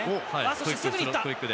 そしてすぐに行く。